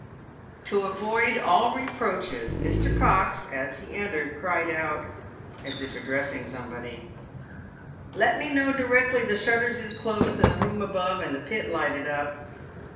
To avoid all reproaches, Mr. Cox, as he entered, cried out, as if addressing somebody, " Let me know directly the shutters is closed in the room above, and the pit lighted up."